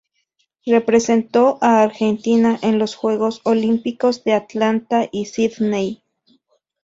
Representó a Argentina en los Juegos Olímpicos de Atlanta y Sídney.